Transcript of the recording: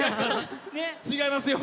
違いますよ！